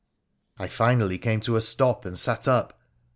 I finally came to a stop, and sat up.